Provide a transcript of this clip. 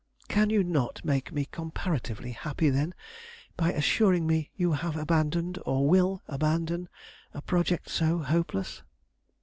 Can you not make me comparatively happy, then, by assuring me you have abandoned or will abandon a project so hopeless?"